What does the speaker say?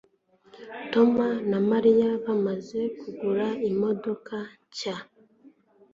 Tom na Mary bamaze kugura imodoka nshya